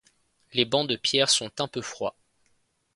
les bancs de pierre sont un peu froids.